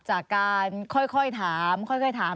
จากการค่อยถาม